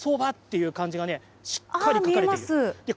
そばという漢字がしっかり書かれている。